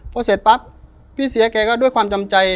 พอเสร็จปั๊บพี่เสียแกก็ด้วยความจำใจ